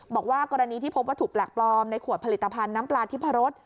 บอกว่ากรณีที่พบวัตถุแปลกปลอมในขวดผลิตภัณฑ์น้ำปลาทิพรส